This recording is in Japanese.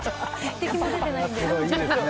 一滴も出てないんで。